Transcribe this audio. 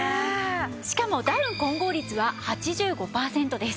しかもダウン混合率は８５パーセントです。